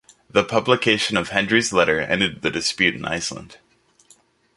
The publication of Hendry's letter ended the dispute in Iceland.